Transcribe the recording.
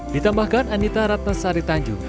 ditambahkan anita ratnasari tanjung